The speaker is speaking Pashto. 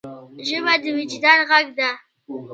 ژبه د وجدان ږغ ده.